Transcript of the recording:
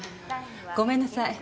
ごめんなさい。